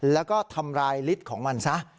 แล้วก็ทำลายฤทธิ์ของมันซะ